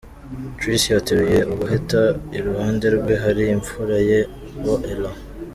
Tricia ateruye ubuheta, iruhande rwe hari imfura y’abo, Ella.